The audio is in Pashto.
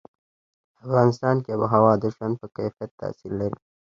په افغانستان کې آب وهوا د ژوند په کیفیت تاثیر لري.